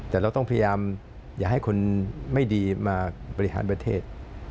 แต่เราต้องพยายามอย่าให้คนไม่ดีมาบริหารประเทศ